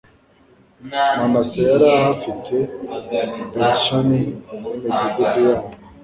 manase yari ahafite betishani n'imidugudu yayo